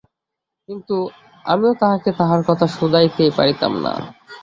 কিন্তু, আমিও তাঁহাকে তাহার কথা শুধাইতে পারিতাম না।